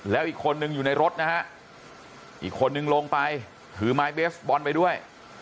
แล้วอีกคนนึงอยู่ในรถนะฮะอีกคนนึงลงไปถือไม้เบสบอลไปด้วย